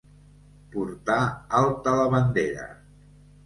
Portar alta la bandera.